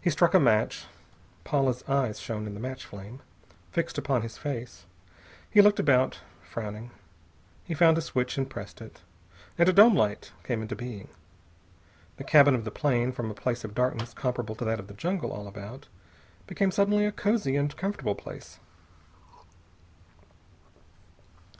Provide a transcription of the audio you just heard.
He struck a match. Paula's eyes shone in the match flame, fixed upon his face. He looked about, frowning. He found a switch and pressed it, and a dome light came into being. The cabin of the plane, from a place of darkness comparable to that of the jungle all about, became suddenly a cosy and comfortable place.